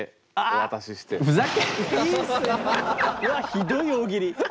うわひどい大喜利。